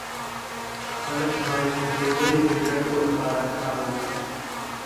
خلګ باید د ټولني د ګټو لپاره کار وکړي.